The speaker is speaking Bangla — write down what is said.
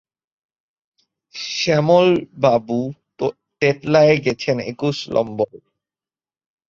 শ্যামলবাবু তেতলায় গেছেন একুশ লম্বরে।